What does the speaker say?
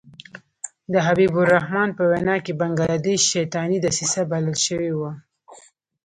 د حبیب الرحمن په وینا کې بنګله دېش شیطاني دسیسه بلل شوې وه.